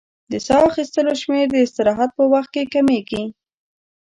د سا اخیستلو شمېر د استراحت په وخت کې کمېږي.